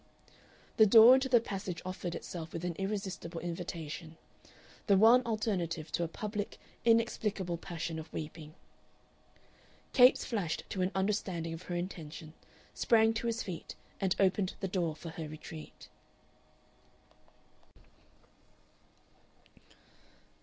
The door into the passage offered itself with an irresistible invitation the one alternative to a public, inexplicable passion of weeping. Capes flashed to an understanding of her intention, sprang to his feet, and opened the door for her retreat.